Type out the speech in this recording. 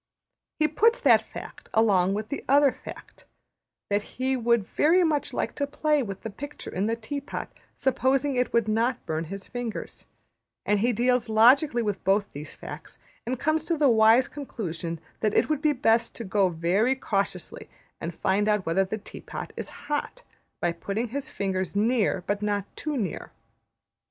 He puts that fact along with the other fact: that he would very much like to play with the picture in the tea pot supposing it would not burn his fingers; and he deals logically with both these facts; and comes to the wise conclusion that it would be best to go very cautiously and find out whether the tea pot is hot, by putting his fingers near, but not too near.